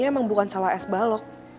emang bukan salah es balok